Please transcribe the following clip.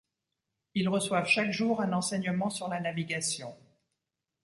Ils reçoivent chaque jour un enseignement sur la navigation.